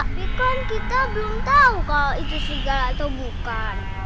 tapi kan kita belum tahu kalau itu sigal atau bukan